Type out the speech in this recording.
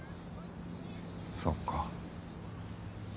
そっか。